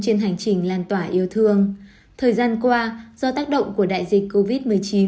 trên hành trình lan tỏa yêu thương thời gian qua do tác động của đại dịch covid một mươi chín